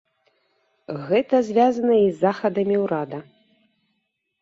Гэта звязана і з захадамі ўрада.